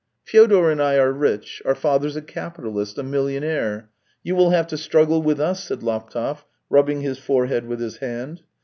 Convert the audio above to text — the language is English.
" Fyodor and I are rich; our father's a capitalist, a millionaire. You will have to struggle with us." said Laptev, rubbing his forehead with his hand.